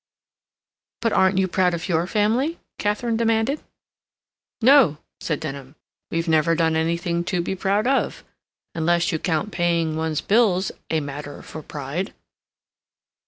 "But aren't you proud of your family?" Katharine demanded. "No," said Denham. "We've never done anything to be proud of—unless you count paying one's bills a matter for pride."